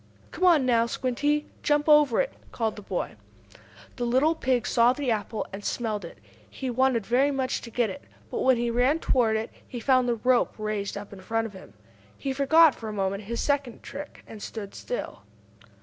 "Come on, now, Squinty! Jump over it!" called the boy. The little pig saw the apple, and smelled it. He wanted very much to get it. But, when he ran toward it, he found the rope raised up in front of him. He forgot, for a moment, his second trick, and stood still.